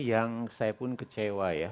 yang saya pun kecewa ya